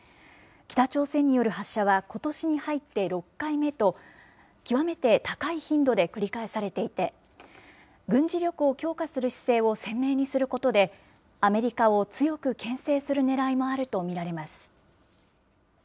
北朝鮮による発射はことしに入って６回目と、極めて高い頻度で繰り返されていて、軍事力を強化する姿勢を鮮明にすることで、アメリカを強くけん制するねらいもあると見られます。